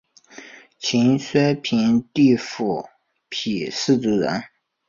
秦哀平帝苻丕氐族人。